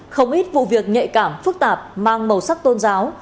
không ít vụ việc nhạy cảm phức tạp mang màu sắc tôn giáo